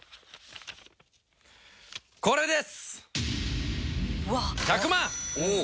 これです！